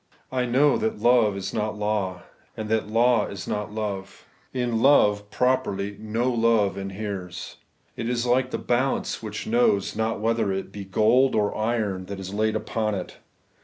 I know that love is not law, and that law is not love. In law, properly, no love inheres. It is like the balance which knows not whether it be gold or iron that is laid upon it.